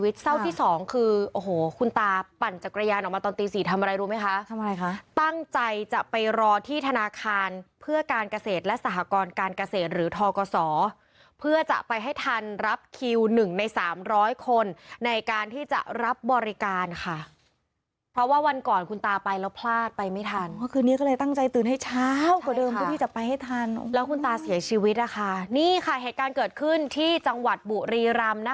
ตั้งใจจะไปรอที่ธนาคารเพื่อการเกษตรและสหกรการเกษตรหรือทอกศอเพื่อจะไปให้ทันรับคิวหนึ่งในสามร้อยคนในการที่จะรับบริการค่ะเพราะว่าวันก่อนคุณตาไปแล้วพลาดไปไม่ทันคือนี้ก็เลยตั้งใจตื่นให้เช้ากว่าเดิมก็ที่จะไปให้ทันแล้วคุณตาเสียชีวิตอ่ะค่ะนี่ค่ะเหตุการณ์เกิดขึ้นที่จังหวัดบุรี